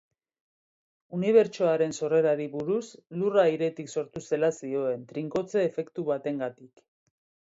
Unibertsoaren sorrerari buruz, lurra airetik sortu zela zioen, trinkotze-efektu batengatik.